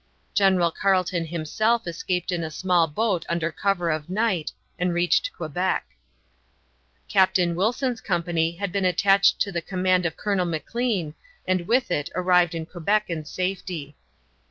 General Carleton himself escaped in a small boat under cover of night, and reached Quebec. Captain Wilson's company had been attached to the command of Colonel Maclean, and with it arrived in Quebec in safety.